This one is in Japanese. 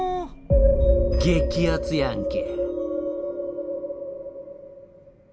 激アツやんけ。